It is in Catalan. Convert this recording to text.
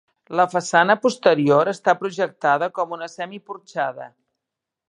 La façana posterior està projectada com una semi porxada.